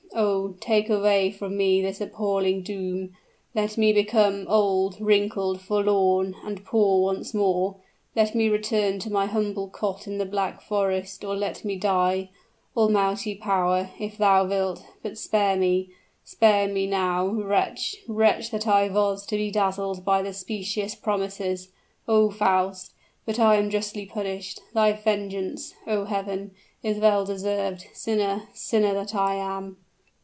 Oh! take away from me this appalling doom let me become old, wrinkled, forlorn, and poor once more, let me return to my humble cot in the Black Forest, or let me die. Almighty power! if thou wilt but spare me spare me now! Wretch wretch that I was to be dazzled by the specious promises, O Faust! But I am justly punished thy vengeance, O Heaven, is well deserved sinner, sinner that I am!"